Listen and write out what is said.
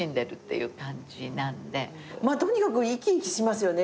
とにかく生き生きしますよね